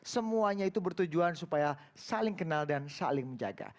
semuanya itu bertujuan supaya saling kenal dan saling menjaga